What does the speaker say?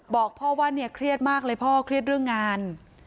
บอกพ่อว่าเนี่ยเครียดมากเลยพ่อเครียดเรื่องงาน